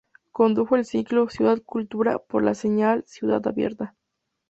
Condujo el ciclo "Ciudad Cultura" por la señal Ciudad Abierta.